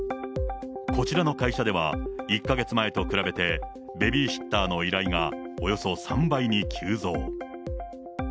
こちらの会社では、１か月前と比べて、ベビーシッターの依頼がおよそ３倍に急増。